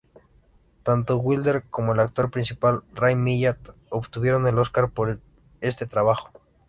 Tanto Wilder como el actor principal, Ray Milland, obtuvieron el Óscar por este trabajo.